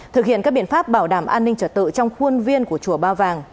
thực hiện các biện pháp bảo đảm an ninh trật tự trong khuôn viên của chùa ba vàng